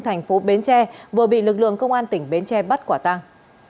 thành phố bến tre vừa bị lực lượng công an tỉnh bến tre bắt quả tăng